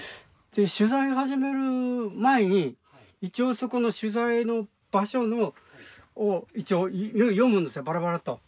取材を始める前に一応そこの取材の場所のを一応読むんですよバラバラッと。